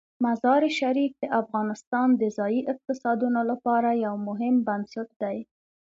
مزارشریف د افغانستان د ځایي اقتصادونو لپاره یو مهم بنسټ دی.